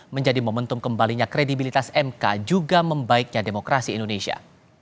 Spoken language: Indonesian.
menjadi momentum kembalinya kredibilitas mk juga membaiknya demokrasi indonesia